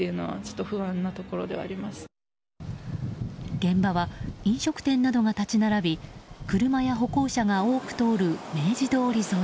現場は飲食店などが立ち並び車や歩行者が多く通る明治通り沿い。